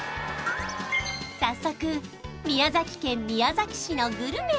早速宮崎県宮崎市のグルメ